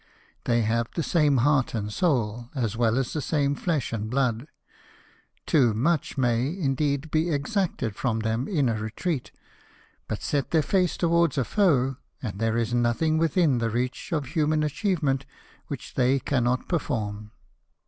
They have the same heart and soul, as well as the same flesh and blood. Too much may, indeed, be exacted from them in a retreat; but set their face towards a foe, and there is nothing within the reach ^ of human achievement which they cannot perform.